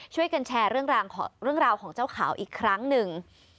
ช่วยกันแชร์เรื่องราวของเจ้าขาวอีกครั้งหนึ่ง